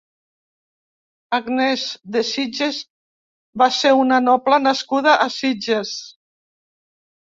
Agnès de Sitges va ser una noble nascuda a Sitges.